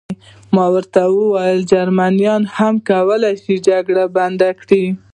ما ورته وویل: جرمنیان هم کولای شي جګړه بنده کړي.